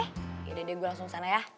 yaudah deh gue langsung sana ya